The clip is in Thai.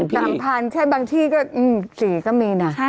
๓๐๐๐พี่๓๐๐๐ใช่บางที่ก็๔ก็มีน่ะ